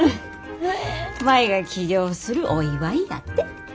舞が起業するお祝いやて。